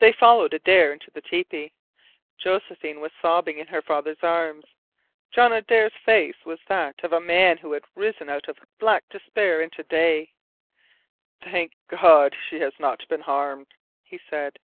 They followed Adare into the tepee. Josephine was sobbing in her father's arms. John Adare's face was that of a man who had risen out of black despair into day. "Thank God she has not been harmed," he said.